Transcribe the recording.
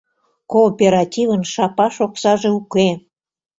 Кооперативын шапаш оксаже уке.